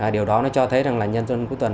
điều đó nó cho thấy rằng là nhân dân cuối tuần